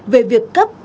về việc cấp